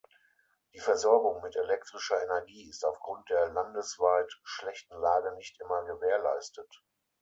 Die Versorgung mit elektrischer Energie ist aufgrund der landesweit schlechten Lage nicht immer gewährleistet.